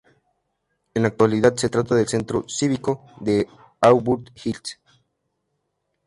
En la actualidad se trata del Centro Cívico de Auburn Hills.